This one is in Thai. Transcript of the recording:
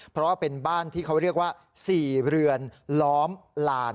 เพราะว่าเป็นบ้านที่เขาเรียกว่า๔เรือนล้อมลาน